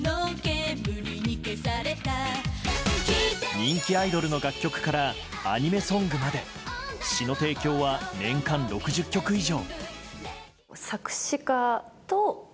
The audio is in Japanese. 人気アイドルの楽曲からアニメソングまで詞の提供は年間６０曲以上。